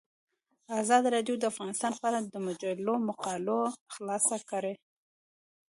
ازادي راډیو د اقتصاد په اړه د مجلو مقالو خلاصه کړې.